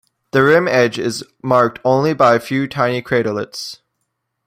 The rim edge is marked only by a few tiny craterlets.